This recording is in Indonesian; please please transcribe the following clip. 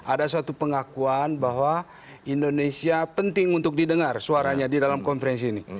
ada satu pengakuan bahwa indonesia penting untuk didengar suaranya di dalam konferensi ini